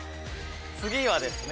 次はですね